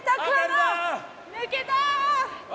抜けた！